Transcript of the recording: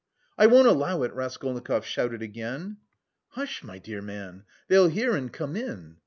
"I won't allow it," Raskolnikov shouted again. "Hush, my dear man! They'll hear and come in.